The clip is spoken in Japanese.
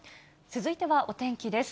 続いてはお天気です。